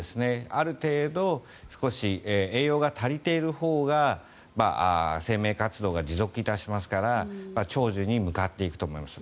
ある程度少し栄養が足りているほうが生命活動が持続いたしますから長寿に向かっていくと思います。